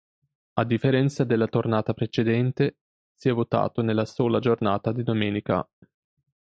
A differenza della tornata precedente, si è votato nella sola giornata di domenica.